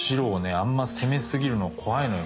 あんま攻めすぎるの怖いのよ